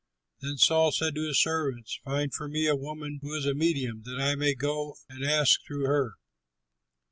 Then Saul said to his servants, "Find for me a woman who is a medium, that I may go and ask through her."